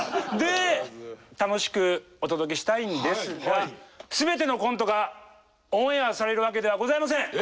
で楽しくお届けしたいんですがすべてのコントがオンエアされるわけではございません。